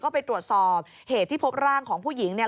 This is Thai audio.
ก็ไปตรวจสอบเหตุที่พบร่างของผู้หญิงเนี่ย